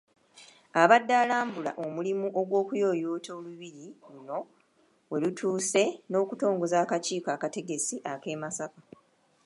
Abadde alambula omulimu gw’okuyooyoota Olubiri luno we lutuuse n’okutongoza akakiiko akategesi ak’e Masaka.